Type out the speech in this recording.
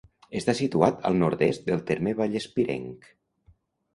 Està situat al nord-est del terme vallespirenc.